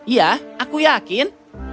ya aku yakin